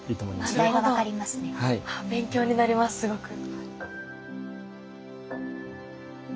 すごく。